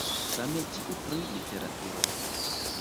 Same tiu pri literaturo.